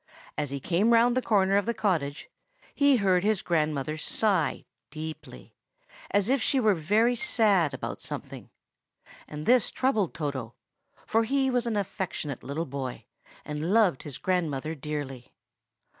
As he came round the corner of the cottage he heard his grandmother sigh deeply, as if she were very sad about something; and this troubled Toto, for he was an affectionate little boy, and loved his grandmother dearly.